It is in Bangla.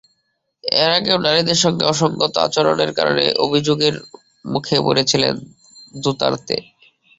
এর আগেও নারীদের সঙ্গে অসংগত আচরণের কারণে অভিযোগের মুখে পড়েছিলেন দুতার্তে।